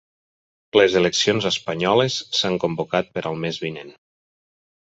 Les eleccions espanyoles s'han convocat per al mes vinent